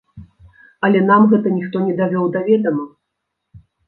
Але нам гэта ніхто не давёў да ведама.